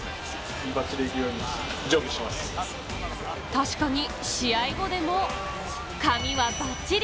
確かに試合後でも、髪はバッチリ！